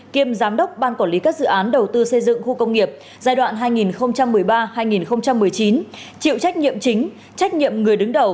kiêm giám đốc ban quản lý các dự án đầu tư xây dựng khu công nghiệp giai đoạn hai nghìn một mươi ba hai nghìn một mươi chín